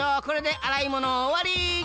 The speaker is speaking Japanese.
これであらいものおわり。